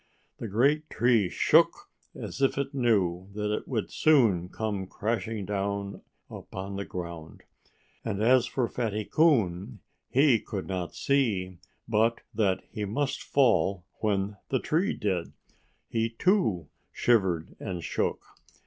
The great tree shook as if it knew that it would soon come crashing down upon the ground. And as for Fatty Coon, he could not see but that he must fall when the tree did. He, too, shivered and shook.